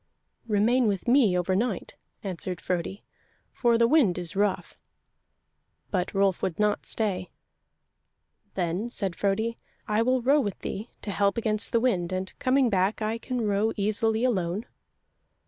"Remain with me overnight," answered Frodi, "for the wind is rough." But Rolf would not stay. "Then," said Frodi, "I will row with thee, to help against the wind, and coming back I can row easily alone."